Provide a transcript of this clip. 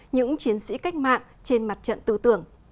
những chiến sĩ cách mạng trên mặt trận tư tưởng